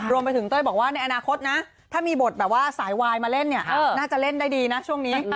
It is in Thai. รวมไปถึงเต้ยบอกว่าในอนาคตนะถ้ามีบทแบบว่าสายวายมาเล่นเนี่ยน่าจะเล่นได้ดีนะช่วงนี้